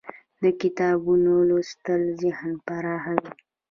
د کتابونو لوستل ذهن پراخوي.